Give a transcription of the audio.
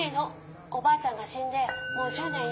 おばあちゃんがしんでもう１０年よ。